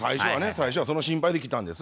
最初はその心配で来たんです。